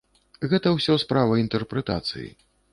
Гэта ўсё справа інтэрпрэтацыі.